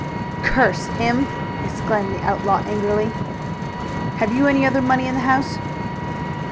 "Curse him!" exclaimed the outlaw angrily. "Have you any other money in the house?"